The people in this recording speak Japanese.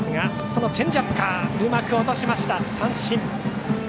そのチェンジアップうまく落として三振。